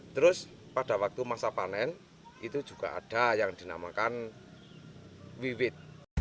terus pada waktu masa panen itu juga ada yang dinamakan wiwit